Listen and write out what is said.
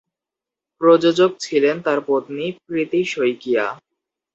প্রযোজক ছিলেন তার পত্নী প্রীতি শইকীয়া।